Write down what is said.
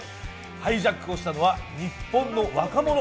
ハイジャックをしたのは日本の若者。